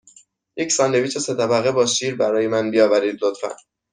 یک ساندویچ سه طبقه با شیر برای من بیاورید، لطفاً.